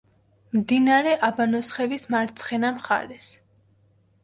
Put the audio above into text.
მდინარე აბანოსხევის მარცხენა მხარეს.